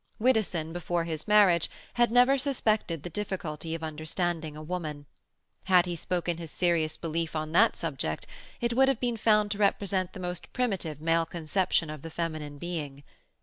Widdowson, before his marriage, had never suspected the difficulty of understanding a woman; had he spoken his serious belief on that subject, it would have been found to represent the most primitive male conception of the feminine being.